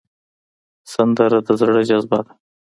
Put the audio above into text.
سندره د زړه جذبه ده